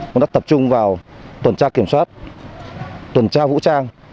cũng đã tập trung vào tuần tra kiểm soát tuần tra vũ trang